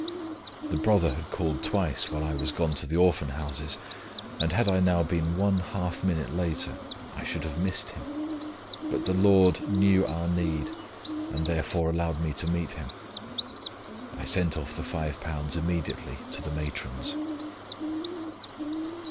The brother had called twice while I was gone to the Orphan Houses, and had I now been one half minute later, I should have missed him. But the Lord knew our need, and therefore allowed me to meet him. I sent off the £5 immediately to the matrons."